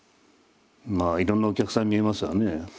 まあいろんなお客さん見えますわね。